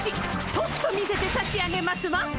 とくと見せてさしあげますわ！